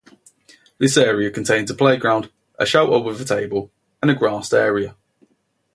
This area contains a playground, a shelter with a table and a grassed area.